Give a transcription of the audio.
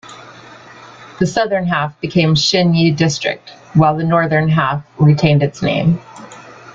The southern half became Xinyi District while the northern half retained its name.